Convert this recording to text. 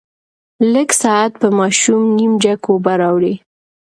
لږ ساعت پس ماشوم نيم جګ اوبۀ راوړې